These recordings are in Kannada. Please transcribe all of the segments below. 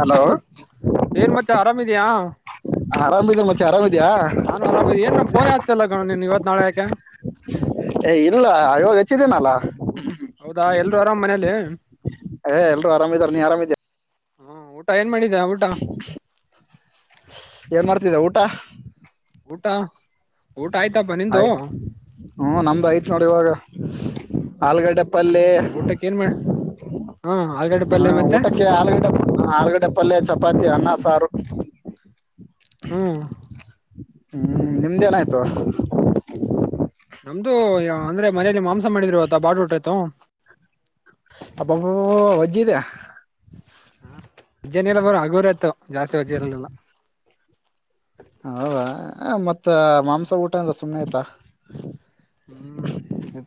ಹಲೋ ಏನ್ ಮತ್ತೆ ಆರಾಮಿದ್ಯಾ ಆರಾಮ್ ಮೆ ಆರಾಮ ನಾನು ಆರಾಮಿದ್ದ ಏನ್ಮ್ ಫೋನ್ ಆಗ್ತಿಲ್ಲ ಗಣ ನೀನ್ ಇವತ್ ನಾಳೆ ಯಾಕೆ ಇಲ್ಲ ಆವಾಗ ಹಚ್ಚಿದ್ದೇನಲ್ಲ ಅರಾಮ್ ಮನೇಲಿ ಹ ಎಲ್ರು ಆರಾಮಿದಾರ ನೀ ಆರಾಮಿದ ಹಾ ಊಟ ಏನ್ ಮಾಡಿದ್ದ್ಯಾ ಊಟ ಏನ್ ಮಾಡ್ತಿದ್ದ ಊಟ ಊಟ ಊಟ ಆಯ್ತಪ್ಪ ನಿಂದು ಹ್ಮ ನಮ್ದು ಆಐ್ತ ನೋಡಿ ಇವಾಗ ಆಲಗಡ್ಡೆ ಪಲ್ಲಿ ಏನ್ ಊಟಕ್ಕೆ ಏನ್ ಮಾಡ ಹಾ ಆಲ್ಗಡೆ ಹ ಪಲ್ಯ ಮತ್ತೆ ಊಟಕ್ಕೆ ಆಲೂಗಡ್ಡೆ ಆಲೂಗಡ್ಡೆ ಪಲ್ಯ ಚಪಾತಿ ಅನ್ನ ಸಾರು ಹ್ಮ್ ಹ್ಮ್ ನಿಮ್ದೇಏನಾಯ್ತು ನಮ್ದು ಅಂದ್ರೆ ಮನೇೆಯಲ್ಲಿ ಮಾಂಸ ಮಾಡಿದ್ರುವತ ಬಾಡ್ ಊಟ ಆಯ್ತು ಅಬಾಬ ವಜ್ಜಿದ ಹ ರಜ್ಜನಲ್ಲರ ಹಗೋರ ಆತ ಜಾಸ್ತಿ ರಜ್ಜೆ ಇರಲ್ಲಲ್ಲ ಹದ ಮತ್ತ ತ್ತ ಮಾಂಸ ಹ್ಮ್ ಉಊಟನ್ಸಮ ನತ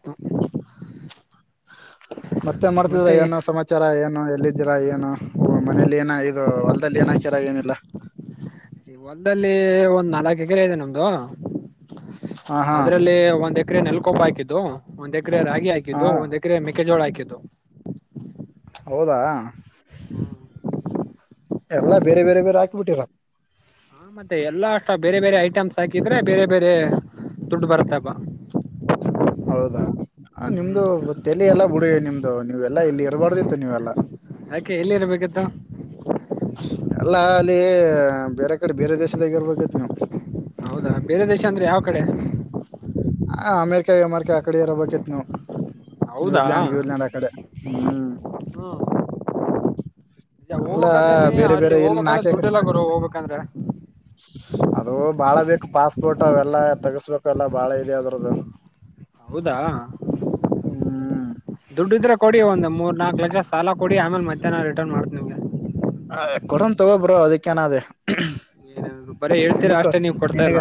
ಹ ಮತ್ತೆ ಮಾಡ್ತಿದ್ರ ಏನು ಸಮಾಚಾರ ಏನು ಎಲ್ಲಿ ಏನು ಮನೇಲಿ ಏನ ಇದು ಹೊಲ್ದಲ್ಲಿ ಏನ ಹಕಿರ ಏನಿಲ್ಲ ಈ ಹೊಲ್ದಲ್ಲಿ ಒಂದ್ ನಾಲ್ಕ ಎಕರೆ ಇದೆ ನಮ್ದು ಹಾ ಹಾ ಅದ್ರಲ್ಲಿ ಒಂದ್ ಎಕರೆ ನೆಲ್ಕೊಬ ಹಾಕಿದ್ದು ಒಂದ್ ಎಕರೆ ರಾಗಿ ಹಾ ಹಾಕಿದ್ದು ಒಂದ್ ಎಕರೆ ಮೆಕ್ಕೆಜೋಳ ಹಾಕಿದ್ದು ಹೌದಾ ಎಲ್ಲಾ ಬೇರೆ ಬೇರೆ ಬೇರೆ ಹಾಕಿಬಿಟ್ಟಿರ ಹಾ ಮತ್ತೆ ಎಲ್ಲಾ ಅಷ್ಟ ಬೇರೆ ಬೇರೆ ಐಟಮ್ಸ್ ಹಾಕಿದ್ರೆ ಬೇರೆ ಬೇರೆ ದುಡ್ಡು ಬರುತ್ತಪ್ಪ ಹೌದಾ ಹ್ಮ್ ನಿಮ್ದು ತಲೆ ಎಲ್ಲ ಬಿಡಿ ನಿಮ್ದು ನೀವೆಲ್ಲಾ ಇಲ್ಲಿ ಇರಬಾರ್ದಿತ್ತು ನೀವೆಲ್ಲಾ ಯಾಕೆ ಎಲ್ಲಿ ಇರ್ಬೇಕಿತ್ತು ಅಲ್ಲ ಅಲ್ಲಿ ಬೇರೆ ಕಡೆ ಬೇರೆ ದೇಶದಾಗ ಇರ್ಬೇಕೇತ್ ನೀವು ಹೌದಾ ಬೇರೆ ದೇಶ ಅಂದ್ರೆ ಯಾವ ಕಡೆ ಹ ಅಮೆರಿಕಾ ಅಮೆರಿಕಾ ಆ ಕಡೆ ಇರಬೇಕಿತ್ ನಾವು ಹೌದಾ ನ್ಯೂಜಿಲ್ಯಾಂಡ್ ಗೂ್ಲ್ಯಾಂಡ್ ಆ ಕಡೆ ಹ್ಮ್ ಹ್ಮ್ ಅಲ್ಲಾ ಹೋಗ್ಬೇಕಂತಂದಿ ಬೇರೆ ಅಲ್ಲಿ ಬೇರೆ ಎಲ್ಲಿ ಹೋಗ್ಬೇಕಂದ್ರೆ ನಾಕ್ಯಾಕ್ರೆ ದುಡ್ಡಿಲ್ಲ ಗುರು ಹೋಗ್ಬೇಕಂದ್ರೆ ಅದು ಬಾಳ ಬೇಕು ಪಾಸ್ಪೋರ್ಟ್ ಅವೆಲ್ಲಾ ತಗಸ್ಬೇಕು ಎಲ್ಲಾ ಬಾಳ ಇದೆ ಅದ್ರದದು ಹೌದಾ ಹ್ಮ್ ದುಡ್ಡುದ್ರೆ ಕೊಡಿ ಒಂದು್ ಮೂರ್ ನಾಲ್ಕು ಲಕ್ಷ ಸಾಲ ಕೊಡಿ ಆಮೇಲೆ ಮಧ್ಯಾಹ್ನ ರಿಟರ್ನ್ ಮಾಡ್ತ ನಿಮ್ಗೆ ಅ ಕೊಡನ್ ತಗೊಬ್ರೋ ಅದಕ್ಕ ಏನಾದೇ ಏನಾದ್ರು ಬರೀ ಹೇಳ್ತೀರಾ ನಿಮಕ್ಕ ಅಷ್ಟೇ ನೀವ್ ಕೊಡ್ತಾ ನೀನ್ಗ ಇಲ್ಲ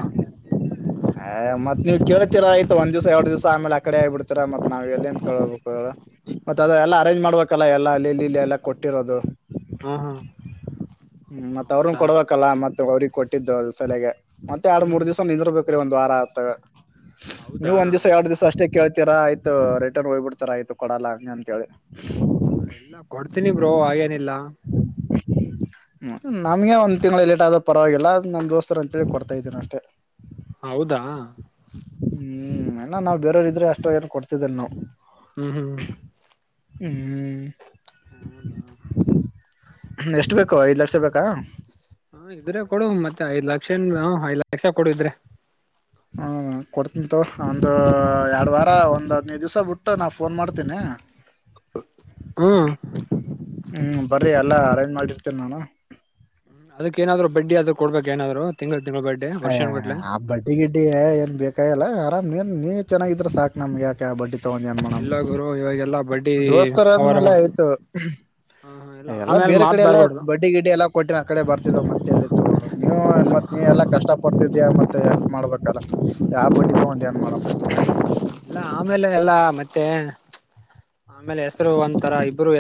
ಅ ಮತ್ವ್ ಕೇಳತಿರ ಆಯತ ಒಂದ್ವ್ಸ ಎರಡ್ ದಿವಸ ಆಮೇಲೆ ಆ ಕಡೆ ಆಗಿ ಬಿಡ್ತರ ಮತ್ ನಾವ್ ಎಲ್ಲಿ ಅಂತ ಕೇಳ್ಬೇಕು ಮತ್ತತ್ ಅದದೆಲ್ಲ ಅರೇಂಜ್ ಮಾಡ್ಬೇಕಲ್ಲ ಎಲ್ಲ ಅಲ್ಲಿ ಇಲ್ಲಿ ಇಲ್ಲಿ ಎಲ್ಲ ಕೊಟ್ಟಿರೋದು ಹ್ಮ್ ಹ್ಮ್ ಹ್ಮ್ ಮತ್ತ ಅವ್ರನ್ ಹೌದಾ ಕೊಡ್ಬೇಕಲ್ಲ ಮತ್ತ ಅವ್ರಿಗೆ ಕೊಟ್ಟಿದ್ದು ಅದು ಸಲೆಗೆ ಮತ್ತೆ ಎರಡ್ ಹ್ಮ್ ಮೂರ್ ಹ್ಮ್ ದಿವ್ಸ ನಿಂದಿರ್ ಬೇಕ್ರೀ ಒಂದ್ ವಾರ ಆತಾಗ ಹೌದಾ ನೀವ್ ಒಂದ ದಿವ್ಸ ಎರಡ್ ದಿವ್ಸ ಅಷ್ಟೇ ಕೇಳ್ತ ತರ ಆಯಿತು ರಿಟರ್ನ್ ಹೋಗಬಿಡ್ತರ ಆಯತು ಕೊಡಲ್ಲ ಹಂ ಅಂತೇಳಿ ಹ ಎಲ್ಲ ಕೊಡ್ತೀನಿ ಬ್ರೋ ಹಾಗೇನಿಲ್ಲ ಹ್ಮ ನಮಗೆ ಒಂದ್ ತಿಂಳ ಲೇಟ್ ಆದ ಪರವಾಗಿಲ್ಲ ನಮ್ ದೋಸ್ತರ ಅಂತೇಳಿ ಕೊಡ್ತಾ ಇದ್ದೀನ ಅಷ್ಟೇ ಹೌದಾ ಹ್ಮ್ ನ ನಾವ್ ಬೇರೆಯವರು ಇದ್ರೆ ಅಷ್ಟೋ ಏನ್ ಕೊಡ್ತಿದಲ್ ನಾವವು ಹ್ಮ್ ಹ್ಮ್ ಹ್ಮ್ ಹೌದಾ ಹ್ಮ ಎಷ್ಟು ಬೇಕು ಐದ್ ಲಕ್ಷ ಬೇಕಾ ಹ ಇದ್ರೆ ಕೊಡು ಮತ್ತೆ ಐದ್ ಲಕ್ಷನ್ ಹ ಐದ್ ಲಕ್ಷ ಕೊಡು ಇದ್ರೆ ಹ್ಮ ಕೊಡ್ತಂತು ಒಂದು ಎರಡ್ ವಾರ ಒಂದ್ ಹದ್ನೈದು ದಿವ್ಸ ಬಿಟ್ಟು ನಾ ಫೋನ್ ಮಾಡ್ತೇನಿ ಹಾ ಹ್ಮ್ ಎಲ್ಲಾ ಅರೇಂಜ್ ಮಾಡಿರ್ತೇನೆ ನಾನು ಅದಕ್ಕ ಏನಾದ್ರು ಬಡ್ಡಿ ಅದ ಕೊಡ್ಬೇಕಕ್ ಏನಾದ್ರು ತಿಂಗಳ ತಿಂಗಳ ಬಡ್ಡಿ ಅಯ ವರ್ಷನ್ ಗಟ್ಲೆ ಆ ಬಡ್ಟ್ಟಿ ಗಿಡ್ಡ ಏನ್ ಬೇಕಾಗಲ್ಲ ನೀನ್ ನೀನ್ ಚೆನ್ನಾಗಿದ್ರೆ ಸಾಕ ನಮ್ ಯಾಕೆ ಬಡ್ಡಿ ತನ್ ಮಾಡ ಇಲ್ಲ ಗುರು ಇವಾಗೆಲ್ಲಾ ಬಡ್ಡಿ ದೋಸ್ತರ ಹವಾರ ಆದ್ಮೇಲೆ ಮಾಡ ಆಯ್ತು ಹ ಇಲ್ಲ ಎಲ್ಲಾ ಆಮೇಲೆ ಬೇರೆ ಮಾತ್ ಕಡೆ ಎಲ್ಲ ಬರ್ಬಾರ್ದು ಬಡ್ಡಿ ಗಿಡ್ಡಿ ಎಲ್ಲಾ ಕೊಟ್ಟಿನ ಆ ಕಡೆ ಬರ್ತಿದ್ದವ ಮತ್ತೆಲ್ಲಿತ್ತು ನೀವು ನೀ ಎಲ್ಲಾ ಕಷ್ಟ ಪಡ್ತಿದಯ ಮತ್ತೆ ಎಲ್ ಮಾಡಬೇಕಲ್ಲ ಯಾವ ಬಡ್ಡಿ ತಗೊಂಡ ಏನ್ ಮಾಡ ಅಲ್ಲ ಆಮೇಲೆ ಎಲ್ಲ ಮತ್ತೆ ಆಮೇಲೆ ಹೆಸರು ಒಂಂತರ ಇಬ್ಬರು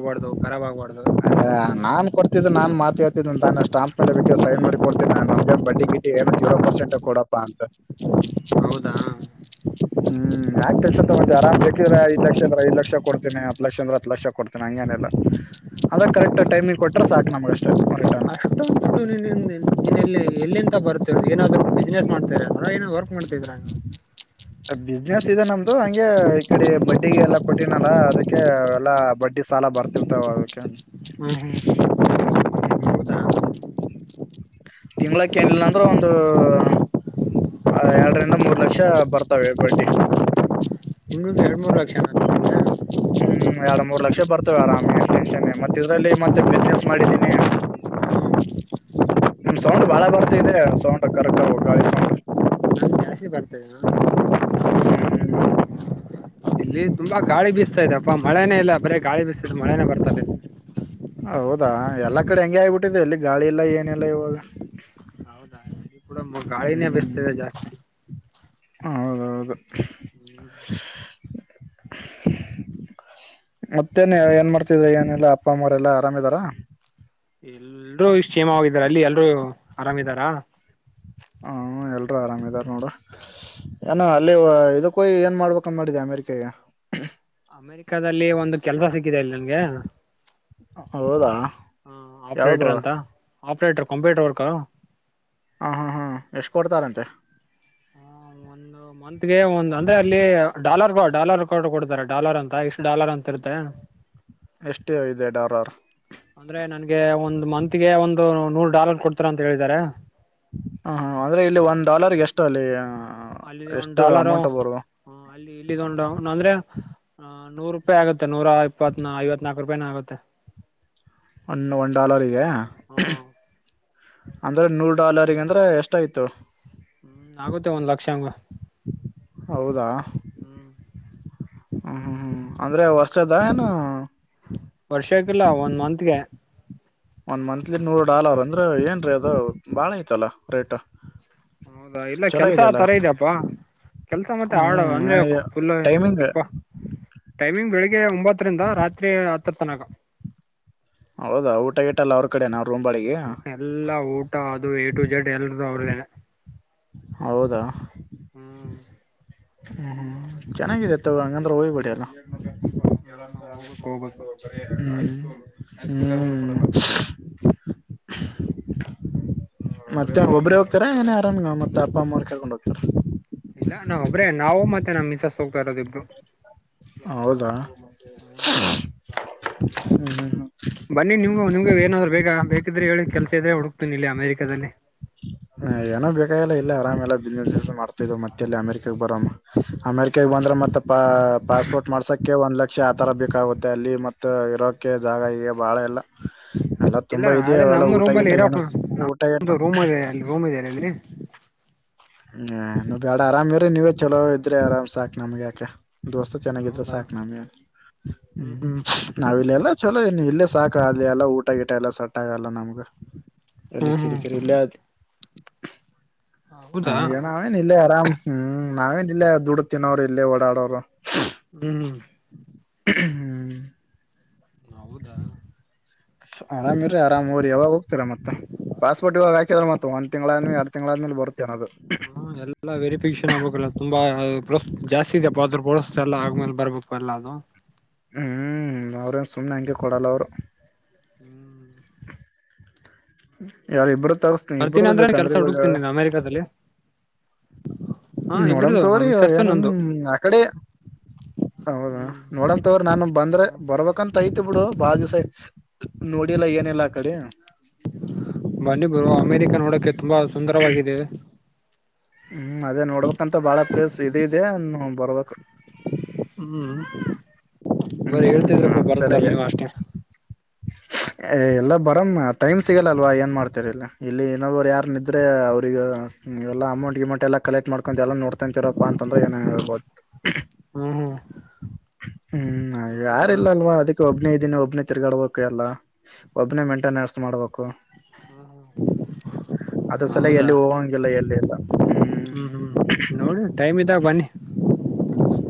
ಗ್ಬಾರ್ದುರಬ್ ಆಗ್ಬಾರದು ಹ ನಾನ್ ಕೊಡ್ತಿದ್ದ ನಾನ್ ಮಾತ ಹಳ್ತಿದ ನಾನು ಸ್ಟಾಂಪ್ ಮೇಲೆ ಬೇಕ ಸೈ ಮಾಡಿ ಕೊಡ್ತೇಿ ನನ್ಗೆ ಬಡ್ಡಿ ಗಿ ಏನು ಜೀರೋ ಪರ್ಸಂಟ್ ಕೊಡಪ್ಪ ಅಂತ ಹೌದಾ ಹ್ಮ್ ಆಾಕ್ ತಸತ ಮತ್ತೆ ಆರಾಮ್ ಬೇಕಿದ್ರ ಇಲ್ಲ ಅಂದ್ರ ಐ ಲಕ್ಷ ಕೊಡ್ತೇನೆ ಹ ಲಕ್ಷ ಅಂದ್ರ ಹತ್ ಲಕ್ಷ ಕೊತೇನೆ ಹಂಗೇನೆಲ್ಲ ಅದಕ್ ಕರೆಕ್ಟ್ ಟೈಮಿ್ ಕೊಟ್ಟ್ರ ಸಾಕ್ ನ ನಮಷ್ಟ ರಿಟರ್ನ್ ಒಟ್ಟು ಎಲ್ಲಿಂತ ಬರ್ತವ ಏನಾದ್ರು ಬಿಸ್ನೆಸ್ ಮಾಡ್ತಾರೆ ಅ ವರ್ಕ್ ಮಾಡ್ತ ಇದ್ರ [inaudible] ಬಿಸ್ನೆಸ್ ಇದೆ ನಮ್ದು ಹಂಗೆ ಈ ಕಡೆ ಬಡ್ಡಿಿಗೆ ಎಲ್ಲಾ ಕೊಟ್ಟಿನಲ್ಲಾ ಅದಕ್ಕೆ ಎಲ್ಲಾ ಬಡ್ ಸಾಲ ಬರ್ತಿರ್ತಾವ ಅದಕ್ಕೆ ಹ್ಮ್ ಹ್ಮ್ ತಿಂಗಳಕ ಏನಿಲ್ಲ ಅಂದ್ರೆ ಒಂದು ಎರಡರಿಂದ ಮೂರ್ ಲಕ್ಷ ಬರ್ತವೆ ಬಡ್ಡಿ ನಿಂಗಗ್ ಎರಡ್ ಮೂರ್ ಲಕ್ಷ ಜನ ಹ್ಮ್ ಎರಡು ಮೂರ್ ಲಕ್ಷ ಬರ್ತಾರೆ ಆರಾಮ್ ಏನ್ ಟೆನ್ಷನ್ ಮತ್ತ ಇದ್ರಲ್ಲಿ ಮತ್ತೆ ಬಿಸ್ನೆಸ್ ಮಾಡಿದ್ದೀನಿ ನಿಮ್ ಸೌಂಡ್ ಬಾಳ ಬರ್ತ ಇ್ರ ಸೌಂಡ್ ಕರ್ ಕರ್ ಗಾಳಿ ಸೌಂಡ್ ಜಾಸ್ತಿ ಬರ್ತದೆ ಹ ಅಪ ಮಳೆನೇ ಇಲ್ಲ ಬರೀ ಗಾಳಿ ಬಿಸಿದ್ದು ಮಳೆನೇ ಬರ್ತದೆ ಇಲ್ಲಿ ಹೌದಾ ಎಲ್ಲಾ ಕಡೆ ಹೆಂಗೆ ಆಗ್ಬಿಟ್ಟಿದ್ರೆ ಇಲ್ಲಿ ಗಾಳಿ ಇಲ್ಲ ಏನಿಲ್ಲ ಇವಾಗ ಪೂಡ ಮ ಗಾಳಿ ನ ಹ್ಮ್ ಬೆಸತ ಜಾಸ್ತಿ ಹೌದೌದು ಹ್ಮ್ ಮತ್ತೇನ್ ಏನ್ ಮಾಡ್ತಿದ ಏನಲ್ಲ ಅಪ್ಪ ಅಮ್ಮರೆಲ್ಲಾ ಆರಾಮಿದಾರ ಎಲ್ರೂ ಇ ಕ್ಷೇಮವಾಗಿದಿದ್ದಾರೆ ಅಲ್ಲಿ ಎಲ್ಲರೂ ಹ ಎಲ್ರೂ ಆರಾಮಿದಾರ ನೋಡ್ರ ಏನೋ ಅಲ್ಲಿ ಇದಕ್ಕೋ ಏನ್ ಮಾಡ್ಬೇಕ ಮಾಡಿದೆ ಅಮೇರಿಕೆಗೆ ಅಮೇರಿಕಲ್ಲಿ ಒಂದು ಕೆಲ್ಸ ಸಿಕ್ಕಿದೆ ಅಲ್ಲಿ ನನ್ಗೆ ಹೌದಾ ಹಾ ಯಾವ್ದು ಆಪ್ರೇಟರ್ ಅಂತ ಆಪ್ರೇಟರ್ ಕಂಪ್ಯೂಟರ್ ವರ್ಕರು ಹಾ ಹಾ ಹಾ ಎಷ್ಟ ಕೊಡ್ತಾರಂತೆ ಒಂದು ಮಂತ್ಗೆ ಒಂದು ಅಂದ್ರೆ ಅಲ್ಲಿ ಡಾಲರ್ ಡಾಲರ್ ಕಟ್ಟ ಕೊಡ್ತಾರೆ ಡಾಲರ್ ಅಂತ ಇಷ್ಟು ಡಾಲರ್ ಅಂತ ಇರುತ್ತೆ ಎಷ್ಟು ಇದೆ ಡಾಲರ್ ಅಂದ್ರೆ ನನ್ಗೆ ಒಂದು ಮತ್ಗೆ ಒಂದು ನೂರು ಡಾಲರ್ ಕೊಡ್ತಾರ ಅಂತ ಹೇಳಿದಿದ್ದಾರೆ ಹ ಹ ಅಂದ್ರೆ ಇಲ್ಲಿ ಒಂದ್ ಡಾಲರ್ಗೆ ಎಷ್ಟು ಅಲ್ಲಿ ಅಲ್ಲ ಒಂದು್ ಎಷ್ಟು ಡಾಲರ್ ಅಮೌಂಟ್ ಬರುವ ಅಲ್ಲಿ ಇಲ್ಲಿ ಒಂದು ಅಂದ್ರೆ ನೂರು ರೂಪಾಯಿ ಆಗುತ್ತೆ ನೂರಾ ಇಪ್ಪತ್ ನ ಐವತ್ನಾಾಲ್ಕು ರೂಪಾಯನ ಆಗುತ್ತೆ ಒನ್ ಒನ್ ಡಾಲರ್ಗೆ ಹ್ಮ್ ಅಂದ್ರೆ ನೂರು ಡಾಲರ್ಗ ಅಂದ್ರೆ ಎಷ್ಟಯ್ತು ಹ್ಮ್ ಆಗುತ್ತೆ ಒಂದ್ ಲಕ್ಷ ಅಂಗ ಹೌದಾ ಹ್ಮ ಹ್ಮ್ ಹ್ಮ್ ಅಂದ್ರೆ ವರ್ಷದ ಏನು ವರ್ಷ ಆಕಿಲ್ಲ ಒಂದ್ ಮಂತ್ಗೆ ಒಂದ್ ಮಂತ್ಲಿ ನೂರ ಡಾಲರ್ ಅಂದ್ರೆ ಏನ್ ರೀ ಅದು ಬಾಳ ಐತಲ್ಲ ರೇಟ್ ಹೌದಾ ಇಲ್ಲ ಚಲೋ ಕೆಲ್ಸ ಇದೆಯಲ್ಲ ತರ ಇದ್ಯಪ್ಪಾ ಕೆಲ್ಸ ಮತ್ತೆ ಆಡವ ಹ್ಮ್ ಅಂದ್ರೆ ನನಗೆ ಫುಲ್ ಟೈಮಿಂಗ್ ಪಪ್ಪ ಟೈಮಿಂಗ್ ಬೆಳಿಗ್ಗೆ ಒಂಬತ್ತರಿಂದ ರಾತ್ರಿ ಹತ್ತರ ತನಕ ಹೌದಾ ಊಟಗ ಇಟ್ಟಲ್ಲ ಅವ್ರ ಕಡೆ ನ ಎಲ್ಲಾ ಊಟ ಅದು ಎ ಟು ಜೆಡ್ ಎಲ್ರದುೂ ಅವ್ರ ಹೌದಾ ಹ್ಮ್ ಹ್ಮ್ ಚೆನ್ನಾಗಿದತ್ತ ಹಂಗಂದ್ರೆ ಹೋಗ್ಬೇಡಿ ಎಲ್ಲ ಹ್ಮ್ ಕೆಲಸ ಹೋಗ್ಬೇಕು ಹೋಗ್ಬೇಕು ಮಾಡಕೊಂಡ ಒಬ ಹ್ಮ್ ಮತ್ತೆ ಒಬ್ಬ್ರೇ ಹೋಗ್ತಾರ ಏನೇ ಆರಾಮನ್ಗ ಮತ್ತ ಅಪ್ಪ ಅಮ್ಮ್ರು ಕೇಳ್ಕೊಂಡ್ ಹೋಗ್ತಾರ ಇಲ್ಲ ನಾ ಒಬ್ರ ನಾವು ಮತ್ತೆ ನಮ್ ಮಿಸಸ್ ಹೋಗ್ತಾ ಇರೋದಿಬ್ರು ಹೌದಾ ಹ್ಮ ಹ್ಮ ಬನ್ನಿ ನಿಮ್ೂ ನಿಮ್ಗ ಏನಾದ್ರು ಬೇ ಬೇಕಿದ್ರೆ ಹೇಳಿ ಕೆಲ್ಸ ಇದ್ರೆ ಹುಡುಕ್ ಹ ಏನೋ ಬೇಕಾಗಿಲ್ಲ ಇಲ್ಲ ಆರಾಮೆಲ್ಲ ಮಾಡ್ತಾ್ ಮತ್ತೆಲ್ಲಿ ಅಮೆರಿಕಾಗ ಬರ ಅಮೆರಿಕಾಗ ಬಂದ್ರೆ ಮತ್ತೆ ಮ ಪ ಪಾಸ್ಪೋರ್ಟ್ ಮಾಡ್ಸಕ್ಕೆ ಒಂದ್ ಲಕ್ಷ ಆ ತರ ಬೇಕಾಗುತ್ತೆ ಅಲ್ಲಿ ಮತ್ತೆ ಇರೋಕೆ ಜಾಗ ಈಗ ಬಾಳ ಎಲ್ಲ ಎಲ್ಲ ತುಂಬಾ ಇದೆಯ ಅವಲ್ಲ ಊಟ ಗಿಟ ಏನ ನ ರೋಮ್ ಇದೆ ಅ ರೋಮ್ ಇ ಅ್ರರಿ ಹ್ಮ್ ಬಡ ಆರಾಮ್ ಇ್ರರಿ ನೀವೇ ಚಲೋ ಇದ್ರಿ ಆರಾಮ್ ಸಾಕಕ್ ನಮ್ಗೆ ಯಾಕ ದೋಸ್ತ ಚೆನ್ನಾಗಿದ್ರೆ ಹೌದಾ ಸಾಕು ನಮಗೆ ಹ್ಮ್ ನಾವ ಇಲ್ಲೆಲ್ಲ ಚಲೋ ಇಲ್ಲ ಸಾಕ ಆಲಿ ಎಲ್ಲ ಊಟ ಗಿಟ ಎಲ್ಲ ಸಟ್ಟ ಆಗಲ್ಲ ನಮ್ಗ ಎಲ್ಲಿ ಹ್ಮ್ ಹ್ಮ್ ಕಿರಿಕಿರಿ ಇಲ್ಲ ಆದ ಹೌದಾ ನಮ್ಗೆ ನಾವೇನ್ ಇಲ್ಲೇ ಆರಾಮ್ ಹ್ಮ್ ನಾವೇನ್ ಇಲ್ಲೇ ದುಡುತಿನವರು ಇಲ್ಲೇ ಓಡಾಡೋರು ಹ್ಮ್ ಹ್ಮ ಹ್ಮ್ ಹೌದಾ ಆರಾಮ್ ಇ್ರರಿ ಆರಾಮ್ ಹೋಗ್ರಿ ಯಾವಾಗ ಹೋಗ್ತರ ಮತ್ತೆ ಪಾಸ್ಪೋರ್ಟ್ ಇವಾಗ ಹಾಕಿದ್ರ ಮತ್ತೆ ಒಂದ್ ತಿಂಗಳಾದ ಆದ್ಮಲೆ ಎರಡು ತಿಂಗ್ಗಳಾದ್ಮೇಲೆ ಬತೀವಿ ಅನ್ನೋದು ಹ ಎಲ್ಲಾ ವೆರಿಫಿಕೇಶನ್ ಆಗ್ಬೇಕಲ್ಲ ತುಂಬಾ ಜಾಸ್ತಿ ಇದೆ ಅದ್ರರು ಬಳಸ ಎಲ್ಲ ಆದ್ಮೇಲೆ ಬರ್ಬೇಕು ಎಲ್ಲ ಅದು ಹ್ಮ್ ಅವ್ರೇನ್ ಸುಮ್ನೆ ಹಂಗೆ ಕೊಡಲ್ಲ ಅವ್ರು ಹ್ಮ್ ಯಾರ ಇಬ್ಬ್ರ ತಗಸ್ತ ಬರ್ತೀನಿ ಇಬ್ರ್ದ ಅಂದ್ರೆ ಕೆಲ್ಸ ಬೇಕಂದ್ರೆ ಇವಾಗ ಹುಡುಕ್ತೀನಿ ಅಮೆರಿಕಾದಲ್ಲಿ ಹಾ ನೋಡಮ ಇಬ್ರದು ನಮ್ ತೋ್ರಿ ಮಿಸ್ಸಸ್ ಏನನ್ ನಂದು ಆ ಕಡೆ ಹೌದಾ ಹ್ಮ್ ನೋಡಂತವ್ರರು ನಾನು ಬಂದ್ರ ಬರ್ಬೇಕಂತ ಅಯತಿ [unintelligible] ಇರ್ಲಿ ಬಿಡು ಬಾಳ ದಿವಸ ಆಯ್ತ ನೋಡಿಲ್ಲಾ ಏನ ಇಲ್ಲಾ ಆ ಕಡೆ, [unintelligible] ಬನ್ನಿ ಬ್ರೋ ಅಮೇರಿಕ ನೋಡೋಕೆ ತುಂಬಾ ಸುಂದರವಾಗಿದೇ [unintelligible] ಹ್ಮ್ ಅದೇ ನೋಡ್ಬೇಕಂತ ಬಾಳ ಪ್ಲೇಸ್ ಇದ ಇದೆ ಬರ್ಬೇಕು ಹ್ಮ್ ಬರ ಹ್ಮ್ ಹೇಳ್ತಿದ್ರಪ್ಪ ಅದ ಬರುತ್ತ ಸಲಗೆ ಅಲ್ ನೀವ್ ಅಷ್ಟೇ ಎಲ್ಲ ಬರ ಟೈಮ್ ಸಿಗಲ್ಲಲ್ವಾ ಏನ್ ಮಾಡ್ತರಲ್ಲ ಇಲ್ಲಿ ಇನೊಬ್ರು ಯಾರ ನಿದ್ರೆ ಅವ್ರಗ ಇಲ್ಲ ಅಮೌಟ್ ಇಮೌಂಟ್ ಎ ಕಲೆಕ್ಟ್ ಮಾಡಕೊಂಡುಲ್ಲ ನೋ ರಪ್ಪ ಅಂತಂದ್ರೆ ಏನ ಹೇಬೋದು ಹ್ಮ್ ಹ್ಮ್ ಹ್ಮ ಹೌದಾ ಯಾರಿಲ್ಲ ಅಲ್ವಾ ಅದಕ್ಕೆ ಒಬ್ಬ ಇದಿನೇ ಒಬ್ನೇ ತಿರ್ಗಾಡ್ಬೇಕು ಎಲ್ಲಾ ಒಬ್ಬನೇ ಮೇಂಟೈನೆನ್ಸ್ ಮಾಡ್ಬೇಕು ಅದ್ರ ಸಲ ಹೌದಾ ಎಲ್ಲಿ ಹೋಗಂಗಿಲ್ಲ ಎಲ್ಲಿ ಎಲ್ಲ ಹ್ಮ್ ನೋಡಿ ಟೈಮ್ ಇದ್ದಾಗ ಬನ್ನಿ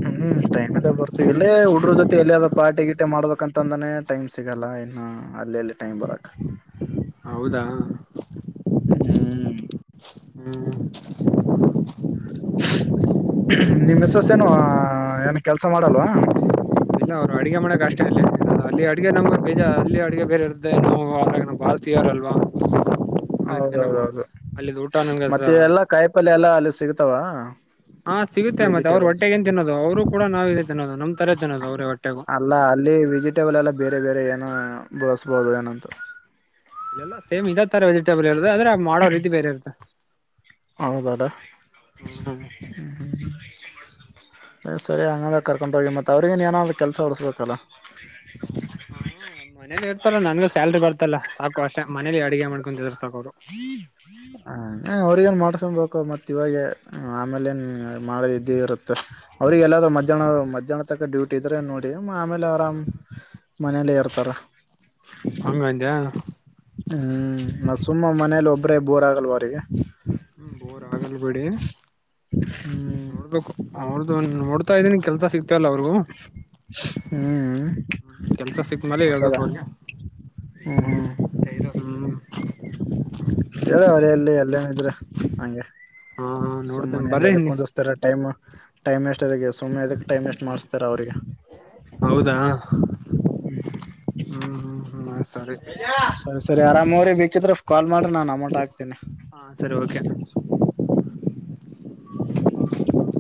ಹೆಂಗರು ಟೈಮಂಟ ಗೊತ್ತಗಿಲ್ಲ ಹುಡಗುರು ಜೊತೆ ಎಲ್ಲಿರ ಪಾಟಿ ಆಗಿದ [unintelligible] ನಿದ್ದೆ ಮಾಡದಕ್ಂತ ಅಂದಾನೆ ಟೈಮ್ ಸಿಗಲ್ಲ ಇನ್ನು ಅಲ್ಲಿ ಏಲ್ಲಿ ಟೈಮ್ ಬಾರ್ಬೇಕಾ. [unintelligible] ಹೌದಾ ಹೂ ಹ್ಮ್ [unintelligible] ನಿಮ್ಮ ಮಿಸ್ಸ್ ಏನು ಏನ್ ಕೆಲ್ಸ ಮಾಡಲ್ವಾ? [unintelligible] ಇಲ್ಲ ಅವರ ಅಡುಗೆ ಮಾಡಾಕ ಅಷ್ಟೇ ಇಲ್ಲದು ಅಲ್ಲಿ ಅಡುಗೆ ನಮಗ ಬೇಜರಾ ಅಲ್ಲಿ ಅಡುಗೆ ಬೇರೆ ಇರುತ್ತೆ ನಾವು ಅವಾಗ ಬಾಳ್ [unintelligible] ದೇವರ ಅಲ್ವಾ? [unintelligible] ಹೌದ ಹೌದ ಹೌದ ಮತ್ತೆ ಎಲ್ಲಾ ಕಾಯಿಪಲ್ಯ ಎಲ್ಲಾ ಅಲ್ಲಿ ಸಿಗ್ತಾವ? [unintelligible] ಹಾ ಸಿಗುತ್ತೆ ಮತ್ತೆ ಅವರ ವೆಜಿಟೇಬಲ್ಸ್ ಹೊಟ್ಟೆಗ ಏನ್ ತಿನ್ನೋದು ಅವರು ಕೂಡ ನಾನ್ ವೇಜ್ ತಿನ್ನೋದು ನಮ್ಮ ತರ ಜನಾ ಅಲ್ಲ ಅವರು [unintelligible] ಅಲ್ಲ ಅಲ್ಲೇ ವೆಜಿಟೇಬಲ್ ಎಲ್ಲ ಬೇರೆ ಬೇರೆ ಏನ ಬೆಳಸಬೋದು ಏನಂತೂ [unintelligible] ಎಲ್ಲಾ ಸೇಮ್ ಇದ ತರ ವೆಜಿಟೇಬಲ್ ಇರದದೆ ಮಾಡೋರೀತಿ ಬೇರೆ ಇರುತ್ತೆ. [unintelligible] ಹೌದ ಹೌದ ಹು ಹು ಹ್ಮ್ [unintelligible] ಕೇಳಸತ್ತದೆ ಹಂಗ ಹ್ಮ್ ಅಂದರ್ ಕರ್ಕೊಂತಾರೆ ಮತ್ತ ಅವರಿಗ ಏನಾದರ ಕೆಲಸ ಓಡಿಸಬೇಕಲ್ಲ? [unintelligible] ಆ ಮನೇಲಿ ಇರ್ತಾರಲ್ಲ ನನಗ ಸ್ಯಾಲ್ರಿ ಬರ್ತಲ್ಲ ಸಾಕು [unintelligible] ಕಷ್ಟ ಮನೇಲಿ ಅಡುಗೆ ಮಾಡಕೊಂಡು ಇದ್ರೆ ಸಾಕ ಅವರು [unintelligible] ಆ ಅವರಿಗ ಏನ್ ಮಾಡಸ [unintelligible] ದುಡಕೊಂಡ ಬಿಡಬೇಕ ಇವಾಗೆ ಆಮೇಲೆ ಏನ್ ಮಾಡೋದಿದ್ದೇ ಇರುತ್ತೆ. [unintelligible] ಅವರಿಗ ಏನಾದ್ರೂ ಹ್ಮ್ ಮಧ್ಯಾನವ ಮಧ್ಯಾನ [unintelligible] ತಕ್ಕ ಡ್ಯೂಟಿ ಇದ್ರೆ ನೋಡಿ ಆಮೇಲೆ ಆರಾಮ್ ಮನೇಲಿ ಇರ್ತಾರ? [unintelligible] ಹಂಗ ಅಂದಯಾ? [unintelligible] ಹೂ ಸುಮ್ಮ ಮನೇಲಿ ಒಬ್ರೇ ಬೋರ್ ಆಗಲ್ವ ಅವರಿಗೆ. [unintelligible] ಹು ಬೋರ್ ಆಗಲ್ ಬಿಡಿ ಹ್ಮ್ ನೋಡ್ಬೇಕು? [unintelligible] ಹೌದ ಹೌದ ನೋಡ್ತಾ ಇದೀನಿ ಕೆಲಸಾ ಸಿಕ್ತ [unintelligible] ಹೂ ಕೆಲ್ಸ ಸಿಕ್ಮೇಲೆ ಹೇಳ್ಬೇಕು ಹೊಸದಾ? ಅವ್ರಿಗೆ [unintelligible] ಹೂ ಐದ ವರ್ಷ ಅದ ಹ್ಮ್ ಹೇಳ ಅವರ ಎಲ್ಲ [unintelligible] ಬಂದ ನಿಂದರ ಹಂಗೆ ಹಾ ನೋಡ್ತೇನ್ ಸುಮ್ಮನೆ ಬರ್ರಿ ಅಲ್ಲಲ್ಲಿ ಕುಂದಸಾತಾರ ಟೈಮ್ ಟೈಮ್ ವೇಸ್ [unintelligible] ತಳಗೆ ಸುಮ್ನೆ ಎದಕ್ಕ ಟೈಮ್ ವೆಸ್ಟ್ ಮಾಡಸ [unintelligible] ಹೌದಾ ಹು ಹು ಹ್ಮ್ ಹು [unintelligible] [inaudible] ಸರಿ ಸರಿ ಅರಾಮ ಹೋಗ್ರಿ ಬೇಕಿದ್ರ ಕಾಲ್ ಮಾಡರಿ ನಾನ್ ಅಮೌಂಟ್ ಹಾಕ್ತನಿ. ಹಾ ಸರಿ [unintelligible] ಓಕೆ [unintelligible] [unintelligible]